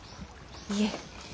いえ。